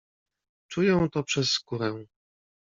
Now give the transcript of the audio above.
"Czuję to przez skórę."